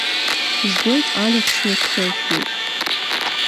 Избоит анаԥшҩы дхыршәҩуп…